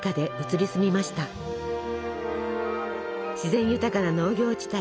自然豊かな農業地帯。